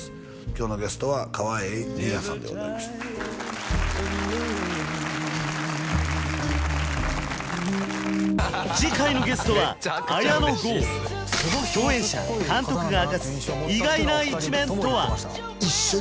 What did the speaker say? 今日のゲストは川栄李奈さんでございました次回のゲストは綾野剛共演者監督が明かす意外な一面とは？